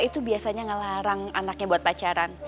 itu biasanya ngelarang anaknya buat pacaran